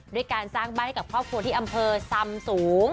ด้วยการสร้างบ้านให้กับครอบครัวที่อำเภอซำสูง